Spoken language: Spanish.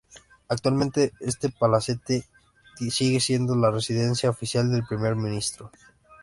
Actualmente, este palacete sigue siendo la residencia oficial del primer ministro.